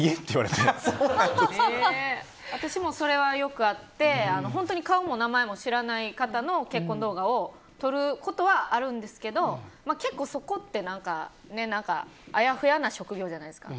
私もそれはよくあって顔も名前も知らないという方の結婚動画を撮ることはあるんですけど結構そこってあやふやな職業じゃないですか。